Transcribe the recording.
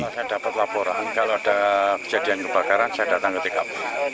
saya dapat laporan kalau ada kejadian kebakaran saya datang ke tkp